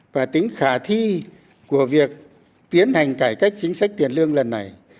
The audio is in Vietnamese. và tính khả thi của việc tiến hành cải cách chính sách tiền lương lần này